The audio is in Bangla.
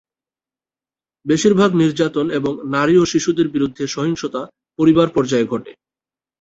বেশিরভাগ নির্যাতন এবং নারী ও শিশুদের বিরুদ্ধে সহিংসতা পরিবার পর্যায়ে ঘটে।